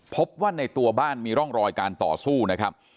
พบว่าในตัวบ้านมีร่องรอยการต่อสู้นะครับ